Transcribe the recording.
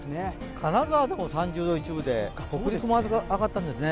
金沢でも３０．１度で北陸も上がったんですね。